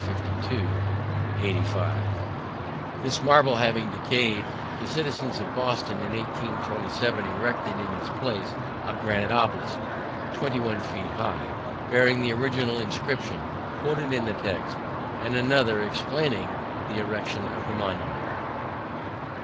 This marble having decayed, the citizens of Boston in 1827 erected in its place a granite obelisk, twenty one feet high, bearing the original inscription quoted in the text and another explaining the erection of the monument.